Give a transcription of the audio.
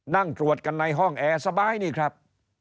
นั่งตรวจกันในห้องแอร์สบายนี่ครับ